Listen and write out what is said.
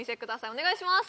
お願いします